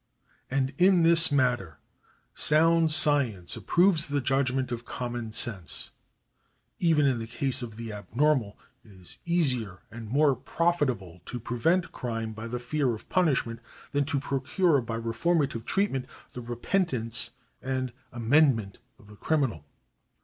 And in this matter sound science approves the judgment of common sense. Even in the case of the abnormal it is easier and more pro fitable to prevent crime by the fear of punishment than to procure by reformative treatment the repentance and amendment of the criminal.